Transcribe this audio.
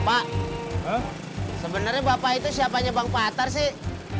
pak sebenarnya bapak itu siapanya bang patar sih